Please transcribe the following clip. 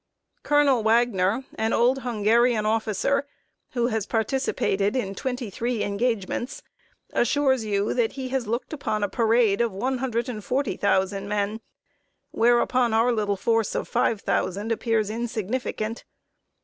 Colonel Wagner, an old Hungarian officer, who has participated in twenty three engagements, assures you that he has looked upon a parade of one hundred and forty thousand men, whereupon our little force of five thousand appears insignificant.